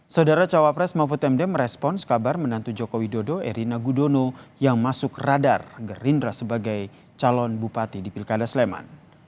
saudara cawapres mahfud md merespons kabar menantu joko widodo erina gudono yang masuk radar gerindra sebagai calon bupati di pilkada sleman